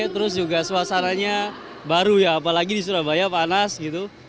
terus juga suasananya baru ya apalagi di surabaya panas gitu